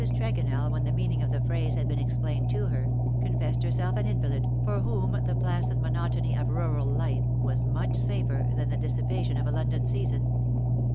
Tregonell^ when the meaning of the phrase had been explained to her, confessed herself an invalid, for whom the placid monotony of rural life was much safer than the dissipation of a London season.